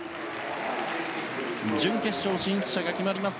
準決勝進出者が決まりました。